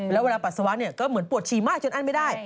แล้วเวลาปัสสาวะก็เหมือนปวดฉี่มากจนอั้นไม่ได้